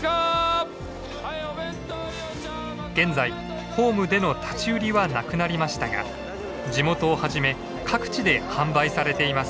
現在ホームでの立ち売りはなくなりましたが地元をはじめ各地で販売されています。